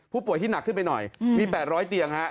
ผู้ป่วยที่หนักขึ้นไปหน่อยมี๘๐๐เตียงฮะ